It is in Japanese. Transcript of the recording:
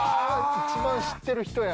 一番知ってる人やん。